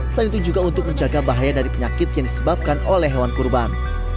selain itu juga untuk menjaga bahaya dari penyakit yang disebabkan oleh hewan kurban